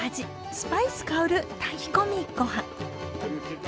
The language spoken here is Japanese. スパイス香る炊き込みごはん。